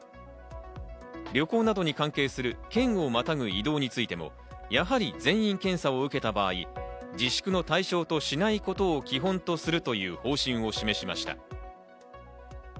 旅行などに関する県をまたぐ移動に関してもやはり全員検査を受けた場合、自粛の対象としないことを基本とするという方針を示しました。